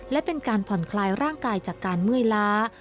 และเป็นการผ่อนคลายร่างกายจากการเมื่อยล้า